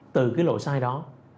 từ cái lỗi sai đó